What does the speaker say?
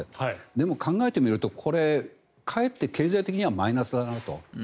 でも、これは考えてみるとかえって経済的にはマイナスだなと。